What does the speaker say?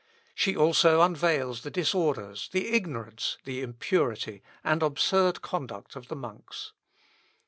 She also unveils the disorders, the ignorance, the impurity, and absurd conduct of the monks.